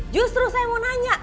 justru saya mau nanya